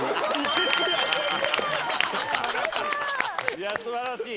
いや素晴らしい。